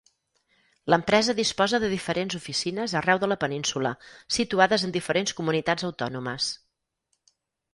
L'empresa disposa de diferents oficines arreu de la península, situades en diferents Comunitats Autònomes.